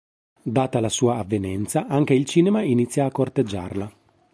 Data la sua avvenenza, anche il cinema inizia a corteggiarla.